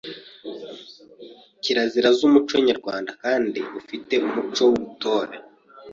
kirazira z’umuco Nyarwanda kandi ufi te umuco w’Ubutore.